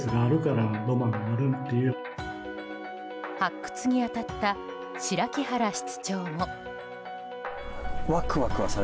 発掘に当たった白木原室長も。